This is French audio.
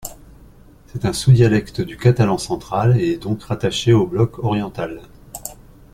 C'est un sous-dialecte du catalan central et est donc rattaché au bloc oriental.